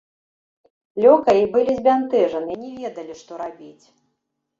Лёкаі былі збянтэжаны і не ведалі, што рабіць.